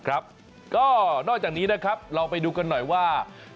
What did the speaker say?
ก็นอกจากนี้นะครับเราไปดูกันหน่อยว่า